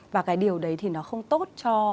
và cái điều đấy thì nó không tốt cho